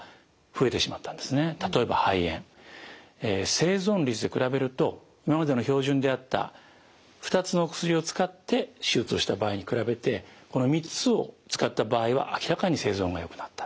生存率で比べると今までの標準であった２つの薬を使って手術をした場合に比べてこの３つを使った場合は明らかに生存がよくなった。